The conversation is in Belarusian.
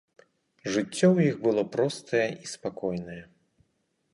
Жыццё ў іх было простае і спакойнае.